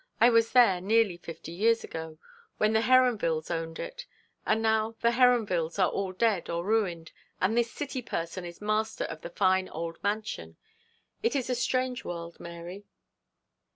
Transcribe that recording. I was there nearly fifty years ago, when the Heronvilles owned it; and now the Heronvilles are all dead or ruined, and this city person is master of the fine old mansion. It is a strange world, Mary.'